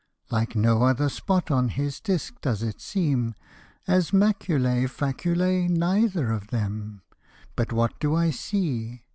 Like no other spot on his disc does it seem ; As maculae, facul<K^ neither of them. But what do I see?